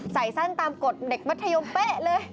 ใส่สั้นตามกฎเด็กมัธยมเป๊ะเลย